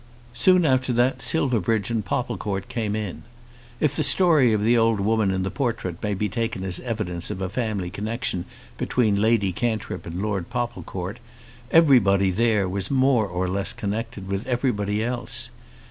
Soon after that Silverbridge and Popplecourt came in. If the story of the old woman in the portrait may be taken as evidence of a family connexion between Lady Cantrip and Lord Popplecourt, everybody there was more or less connected with everybody else.